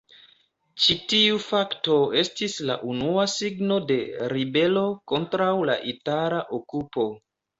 Ĉi tiu fakto estis la unua signo de ribelo kontraŭ la itala okupo.